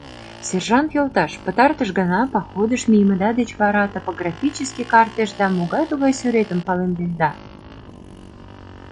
— Сержант йолташ, пытартыш гана походыш мийымыда деч вара топографический картешда могай-тугай сӱретым палемденда?